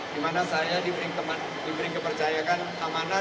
di mana saya diberi kepercayaan amanah